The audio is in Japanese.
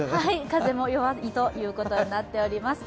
風も弱いということになっております。